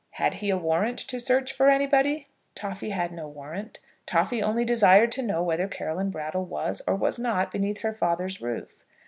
Had he a warrant to search for anybody? Toffy had no warrant. Toffy only desired to know whether Caroline Brattle was or was not beneath her father's roof.